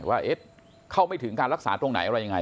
ว่าเข้าไม่ถึงการรักษาตรงไหนอะไรยังไง